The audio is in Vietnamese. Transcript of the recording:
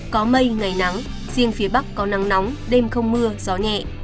có mây ngày nắng riêng phía bắc có nắng nóng đêm không mưa gió nhẹ